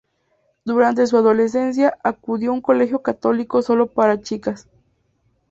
Durante su adolescencia acudió a un colegio católico solo para chicas.